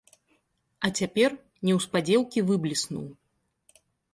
А цяпер неўспадзеўкі выбліснуў.